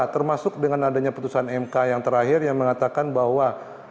termasuk dengan adanya putusan mk yang terakhir yang mengatakan bahwa